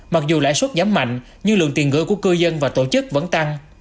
mặc dù lãi suất giảm mạnh nhưng lượng tiền gửi của cư dân và tổ chức vẫn tăng